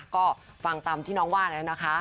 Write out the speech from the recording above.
ก็ฟังตามที่น้องว่าแล้วนะคะ